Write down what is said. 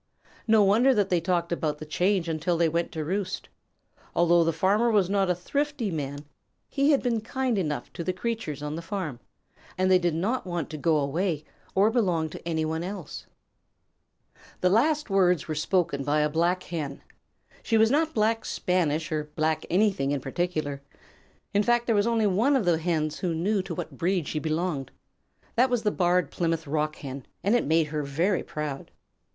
No wonder that they talked about the change until after they went to roost. Although the Farmer was not a thrifty man, he had been kind enough to the creatures on the farm, and they did not want to go away or belong to any one else. The last word spoken was by a black Hen. She was not Black Spanish or black anything in particular. In fact, there was only one of the Hens who knew to what breed she belonged. That was the Barred Plymouth Rock Hen, and it made her very proud.